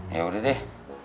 ya udah deh